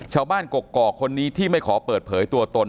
กกอกคนนี้ที่ไม่ขอเปิดเผยตัวตน